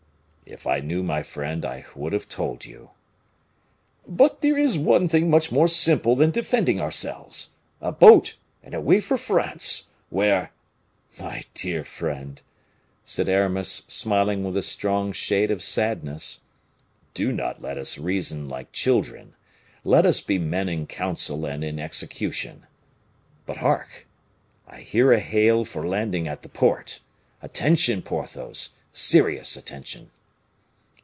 "If I knew, my friend, I would have told you." "But there is one thing much more simple than defending ourselves: a boat, and away for France where " "My dear friend," said Aramis, smiling with a strong shade of sadness, "do not let us reason like children; let us be men in council and in execution. But, hark! I hear a hail for landing at the port. Attention, Porthos, serious attention!"